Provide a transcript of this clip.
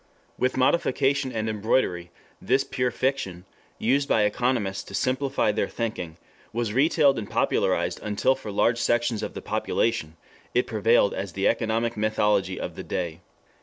With modification and embroidery, this pure fiction, used by economists to simplify their thinking, was retailed and popularized until for large sections of the population it prevailed as the economic mythology of the day.